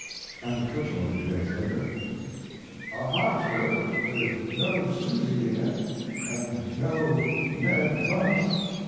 And to Twichell a few days later: A Hartford with no Susy in it & no Ned Bunce!